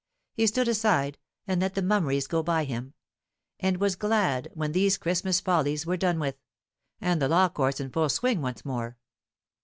He stood aside and let the mummeries go by him, and was glad when these Christmas follies were done with, and the law courts in full swing once more.